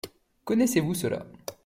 Connaissez-vous cela ?